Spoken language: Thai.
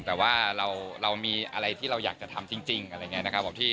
แต่ว่าเรามีอะไรที่เราอยากจะทำจริงอะไรอย่างนี้นะครับ